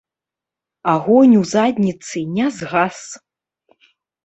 Агонь ў задніцы не згас.